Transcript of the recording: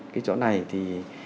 cái chỗ này thì